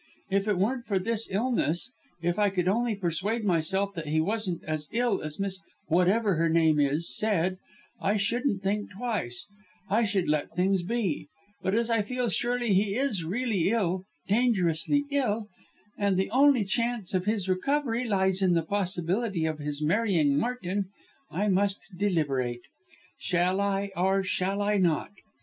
If it weren't for this illness if I could only persuade myself that he isn't as ill as Miss Whatever her name is said, I shouldn't think twice I should let things be but as I feel sure he is really ill dangerously ill and the only chance of his recovery lies in the possibility of his marrying Martin I must deliberate. Shall I or shall I not?